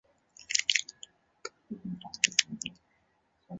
他因为一场突如其来的牢狱之灾而受到全社会的瞩目。